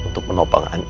untuk menopang andi